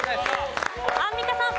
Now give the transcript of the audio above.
アンミカさん。